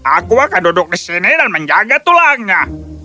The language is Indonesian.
aku akan duduk di sini dan menjaga tulangnya